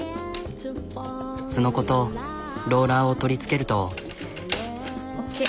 スノコとローラーを取り付けると。